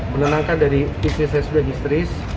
menenangkan dari istri saya yang sudah istris